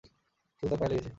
শুধু তার পায়ে লেগেছে!